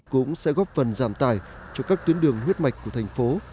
cũng sẽ góp phần giảm tài cho các tuyến đường huyết mạch của thành phố